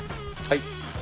はい。